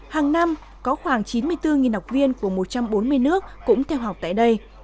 hàng năm có khoảng chín mươi bốn học viên của một trăm bốn mươi nước cũng theo học tại đây